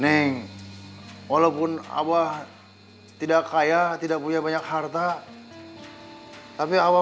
neng walaupun abah tidak kaya tidak bisa menikahkan si kobar